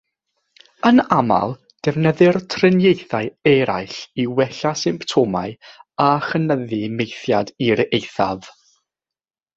Yn aml, defnyddir triniaethau eraill i wella symptomau a chynyddu maethiad i'r eithaf.